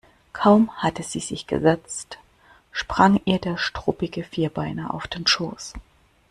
Kaum hatte sie sich gesetzt, sprang ihr der struppige Vierbeiner auf den Schoß.